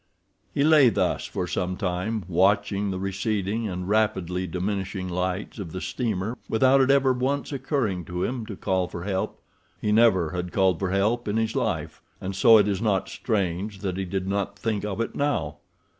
He lay thus for some time, watching the receding and rapidly diminishing lights of the steamer without it ever once occurring to him to call for help. He never had called for help in his life, and so it is not strange that he did not think of it now.